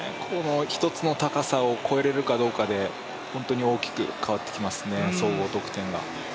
１つの高さを越えられるかどうかで本当に大きく変わってきますね、総合得点が。